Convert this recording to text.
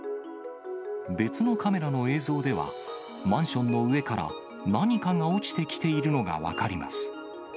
別のカメラの映像では、マンションの上から何かが落ちてきているのが分かります。